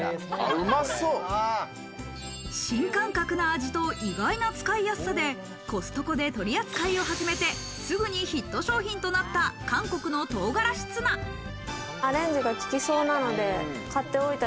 新感覚な味と、意外な使いやすさで、コストコで取り扱いを始めて、すぐにヒット商品となった、韓国の唐辛子ツナ。